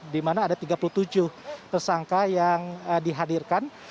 di mana ada tiga puluh tujuh tersangka yang dihadirkan